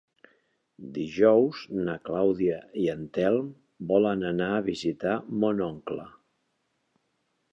Dijous na Clàudia i en Telm volen anar a visitar mon oncle.